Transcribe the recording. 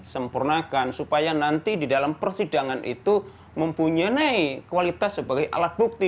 jadi sempurnakan supaya nanti di dalam persidangan itu mempunyai kualitas sebagai alat bukti